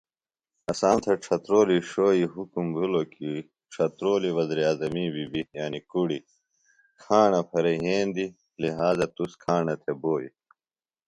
اسام تھےۡ ڇھترولی ݜوئی حُکم بھِلوۡکیۡ ڇھترولیۡ وزیراعظمی بی بی (کُڑیۡ) کھاݨہ پھرےۡ یھیندیۡ لہٰذا تُس کھاݨہ تھےۡ بوئیۡ